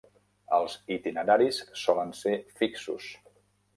Els itineraris solen ser fixos.